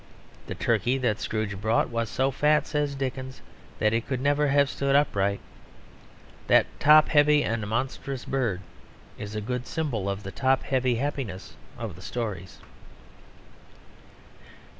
The turkey that Scrooge bought was so fat, says Dickens, that it could never have stood upright. That top heavy and monstrous bird is a good symbol of the top heavy happiness of the stories.